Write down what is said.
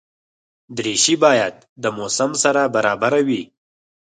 دریشي باید د موسم سره برابره وي.